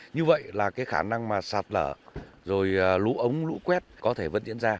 như vậy là cái khả năng mà sạt lở rồi lũ ống lũ quét có thể vẫn diễn ra